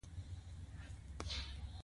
د پیازو په ګډون د بدن ټولو برخو ته